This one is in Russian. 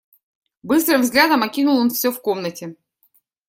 Быстрым взглядом окинул он всё в комнате.